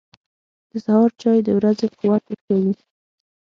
• د سهار چای د ورځې قوت ورکوي.